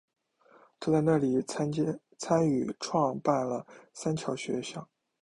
她在那里参与创办了三桥学校。